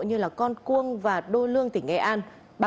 như con cuông và đô lương tỉnh nghệ an